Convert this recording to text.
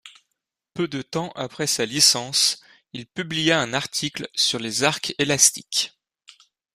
Peu de temps après sa licence, il publia un article sur les arcs élastiques.